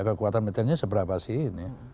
kekuatan militernya seberapa sih ini